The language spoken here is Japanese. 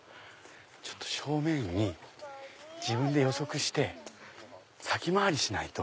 ちょっと正面に自分で予測して先回りしないと。